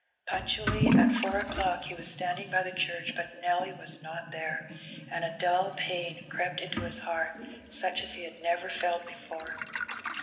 Punctually at four o'clock he was standing by the church, but Nelly was not there, and a dull pain crept into his heart, such as he had never felt before.